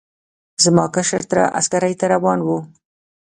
زما کشر تره عسکرۍ ته روان و.